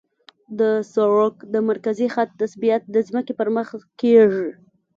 د سړک د مرکزي خط تثبیت د ځمکې پر مخ کیږي